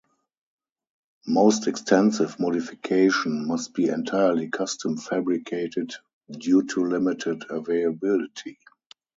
Most extensive modification must be entirely custom fabricated due to limited availability.